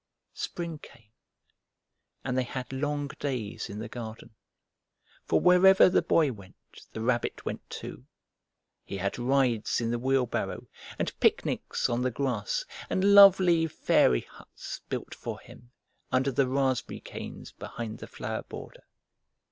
Spring came, and they had long days in the garden, for wherever the Boy went the Rabbit went too. He had rides in the wheelbarrow, and picnics on the grass, and lovely fairy huts built for him under the raspberry canes behind the flower border.